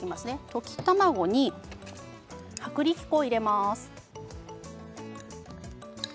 溶き卵に薄力粉を入れます。